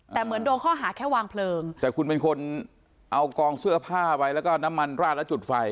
แต่เหมือนโดนข้อหาแค่วางเพลิงแต่คุณเป็นคนเอากองเสื้อผ้าไว้แล้วก็น้ำมันราดแล้วจุดไฟ